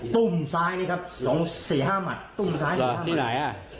ตุ้มซ้ายนี่ครับที่ไหนอ่ะ